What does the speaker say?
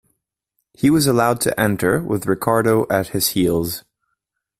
He was allowed to enter, with Ricardo at his heels.